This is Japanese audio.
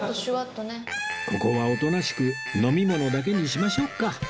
ここはおとなしく飲み物だけにしましょうか